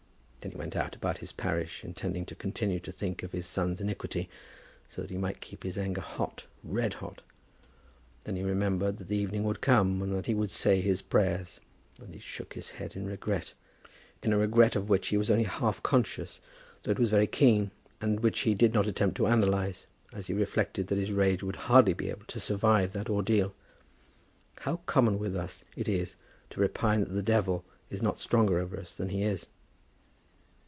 Then he went out, about his parish, intending to continue to think of his son's iniquity, so that he might keep his anger hot, red hot. Then he remembered that the evening would come, and that he would say his prayers; and he shook his head in regret, in a regret of which he was only half conscious, though it was very keen, and which he did not attempt to analyze, as he reflected that his rage would hardly be able to survive that ordeal. How common with us it is to repine that the devil is not stronger over us than he is.